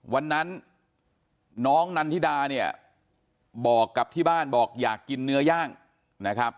วันนั้นน้องนันทิดาเนี่ยบอกกับที่บ้านบอกอยากกินเนื้อย่างนะครับ